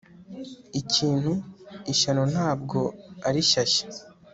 Ikintu ishyano ntabwo ari shyashya